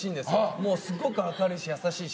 もうすごく明るいし優しいし。